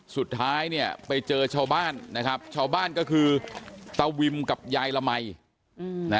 สุดท้ายเนี่ยไปเจอชาวบ้านนะครับชาวบ้านก็คือตะวิมกับยายละมัยนะ